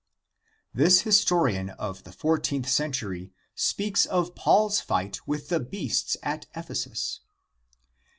This historian of the XIV. cent, speaks of Paul's fight with the beasts at Ephesus.